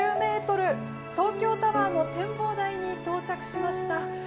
東京タワーの展望台に到着しました。